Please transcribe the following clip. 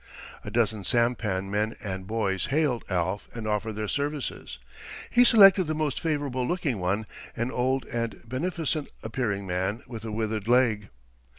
A dozen sampan men and boys hailed Alf and offered their services. He selected the most favorable looking one, an old and beneficent appearing man with a withered leg.